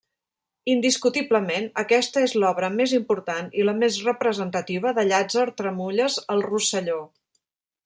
Indiscutiblement, aquesta és l'obra més important i la més representativa de Llàtzer Tramulles al Rosselló.